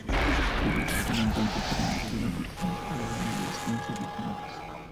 Por ella circulan tanto trenes de grandes líneas como de media distancia y regionales.